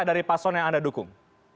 dari paslon yang anda dukung